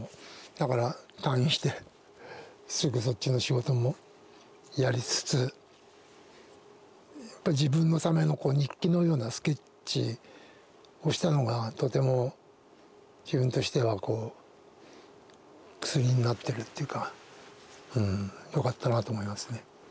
だから退院してすぐそっちの仕事もやりつつやっぱ自分のための日記のようなスケッチをしたのがとても自分としては薬になってるっていうかうんよかったなと思いますね。